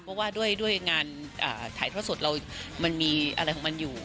เพราะว่าด้วยงานถ่ายทอดสดเรามันมีอะไรของมันอยู่